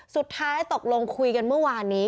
สุดท้ายตกลงคุยกันเมื่อวานนี้